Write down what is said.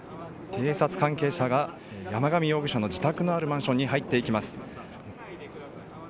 警察関係者が、山上容疑者の自宅のあるマンションに入っていきます。